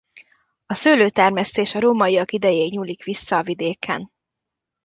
A szőlőtermesztés a rómaiak idejéig nyúlik vissza a vidéken.